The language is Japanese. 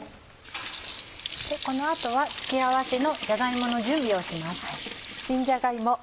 この後は付け合わせのじゃが芋の準備をします。